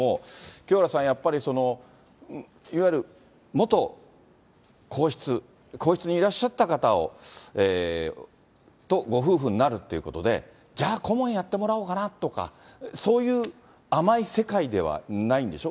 清原さん、やっぱりいわゆる元皇室、皇室にいらっしゃった方とご夫婦になるということで、じゃあ、顧問やってもらおうかなとか、そういう甘い世界ではないんでしょ？